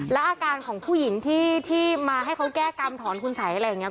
แล้วอาการของผู้หญิงที่มาให้เขาแก้กรรมถอนคุณสัยอะไรอย่างนี้